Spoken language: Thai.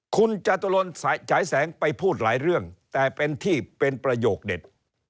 คุณจตุรนฉายแสงไปพูดหลายเรื่องแต่เป็นที่เป็นประโยคเด็ด